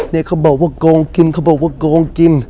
เนี่ยเขาบอกว่ากงกินเขาบอกว่ากงกิน